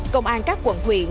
công an các quận huyện